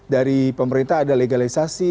dari pemerintah ada legalisasi